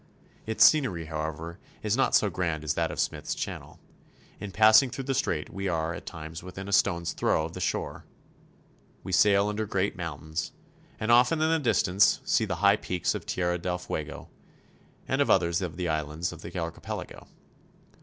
Its scenery, however, is not so grand as that of Smythes Channel. In passing through the strait we are at times 158 CHILE. within a stone's throw of the shore. We sail under great mountains, and often in the distance see the high peaks of Tierra del Fuego, and of others of the islands of the archipelago.